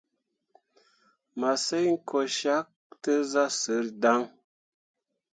Massǝŋ ko syak tǝ zah sǝrri dan.